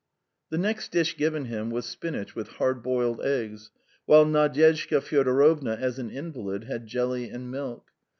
The next dish given him was spinach with hard boiled eggs, while Nadyezhda Fyodorovna, as an invalid, had jelly and milk.